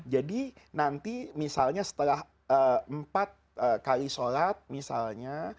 jadi nanti misalnya setelah empat kali sholat misalnya